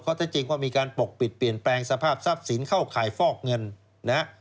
เท็จจริงว่ามีการปกปิดเปลี่ยนแปลงสภาพทรัพย์สินเข้าข่ายฟอกเงินนะฮะ